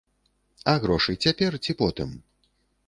А грошы цяпер ці потым?